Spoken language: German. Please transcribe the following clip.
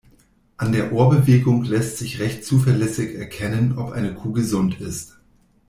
An der Ohrbewegung lässt sich recht zuverlässig erkennen, ob eine Kuh gesund ist.